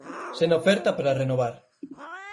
Sen oferta para renovar.